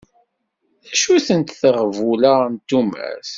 D acu-tent teɣbula n tumert?